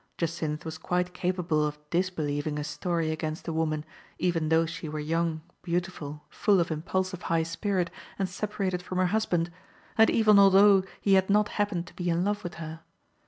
Jacynth was quite capable of disbelieving a story against a woman, even though she were young, beautiful, full of impul sive high spirit, and separated from her husband, and even although he had not happened to be in love with her.